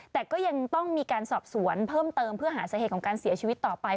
แต่ก็ยังต้องมีการสอบสวนเพิ่มเติมเพื่อหาสาเหตุของการเสียชีวิตต่อไป